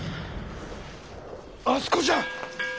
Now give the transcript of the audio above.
あそこじゃ！